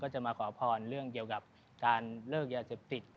จะมาขอพรเรื่องเกี่ยวกับการเลิกยาเสพติด